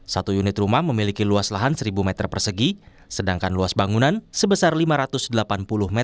satu unit rumah memiliki luas lahan seribu meter persegi sedangkan luas bangunan sebesar lima ratus delapan puluh meter